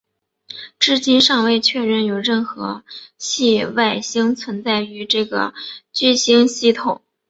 至今尚未确认有任何系外行星存在于这个聚星系统。